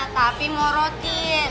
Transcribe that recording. tapi mau rutin